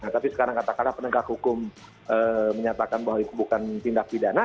nah tapi sekarang kata kata penegak hukum menyatakan bahwa itu bukan tindak pidana